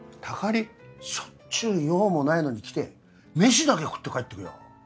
しょっちゅう用もないのに来てメシだけ食って帰ってくよ。